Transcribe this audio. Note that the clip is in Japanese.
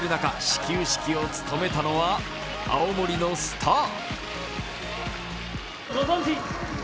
始球式を務めたのは青森のスター。